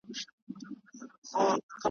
ځان به خلاص کړو له دریم شریک ناولي ,